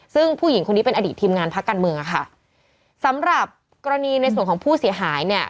ซึ่งผู้หญิงคนนี้เป็นอดีตทีมงานพักการเมืองอะค่ะสำหรับกรณีในส่วนของผู้เสียหายเนี่ย